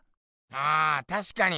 あたしかに！